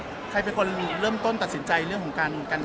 ใครเป็นคนเริ่มต้นตัดสินใจเรื่องของการเรียน